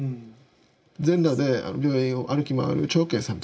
全裸で病院を歩き回るチョウケイさんとか。